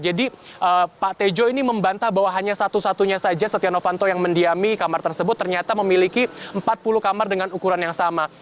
jadi pak tejo ini membantah bahwa hanya satu satunya saja setia novanto yang mendiami kamar tersebut ternyata memiliki empat puluh kamar dengan ukuran yang sama